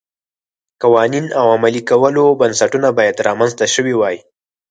قوانین او د عملي کولو بنسټونه باید رامنځته شوي وای.